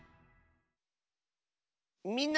「みんなの」。